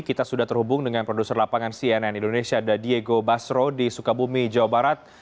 kita sudah terhubung dengan produser lapangan cnn indonesia dadiego basro di sukabumi jawa barat